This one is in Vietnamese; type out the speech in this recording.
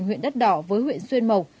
huyện đất đỏ với huyện xuyên mộc